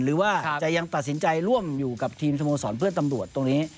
หรือว่าจะยังตัดสินใจร่วมอยู่กับทีมสโมสรเพื่อนตำรวจตรงนี้